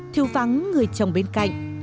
thiếu vắng người chồng bên cạnh